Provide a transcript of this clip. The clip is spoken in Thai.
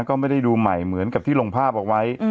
ก็ไม่ได้ดูใหม่เหมือนกับที่ลงภาพเอาไว้